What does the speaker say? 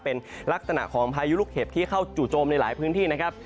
เป็นลักษณะของพายุลูกเห็บที่เข้าจู่โจมในหลายพื้นที่นะครับ